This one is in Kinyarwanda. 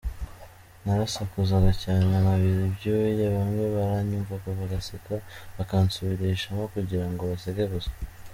Narasakuzaga cyane nkabira ibyuya, bamwe baranyumvaga bagaseka bakansubirishamo kugira ngo baseke gusa.